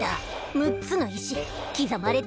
６つの石刻まれた暗号。